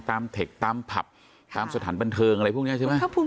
เทคตามผับตามสถานบันเทิงอะไรพวกนี้ใช่ไหม